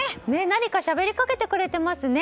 何かしゃべりかけてくれていますね。